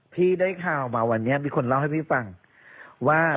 พี่ได้ข่าวมาวันนี้มีคนเล่าให้พี่ฟังว่า